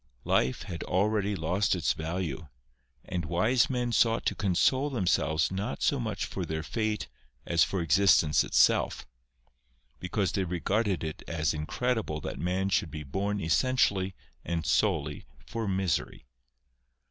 Life had already lost its value, and wise men sought to console themselves not so much for their fate as for existence itself ; because they regarded it as incredible that man should be born essentially and solely for misery.